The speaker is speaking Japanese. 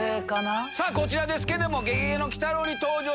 こちらですけども。